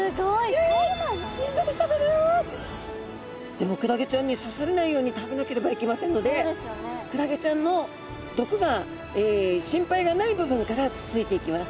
でもクラゲちゃんに刺されないように食べなければいけませんのでクラゲちゃんの毒が心配がない部分からつついていきます。